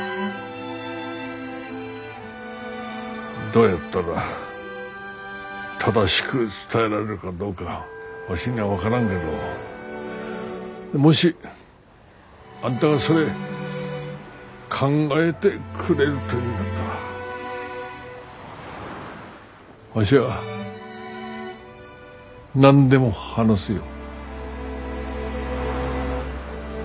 どうやったら正しく伝えられるかどうかわしには分からんけどもしあんたがそれ考えてくれるというんだったらわしは何でも話すよ。